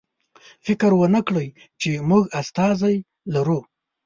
فکر ونکړئ چې موږ استازی لرو.